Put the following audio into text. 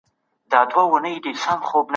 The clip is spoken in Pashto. آيا د حکومت کولو پرته ټولنه اداره کېدای سي؟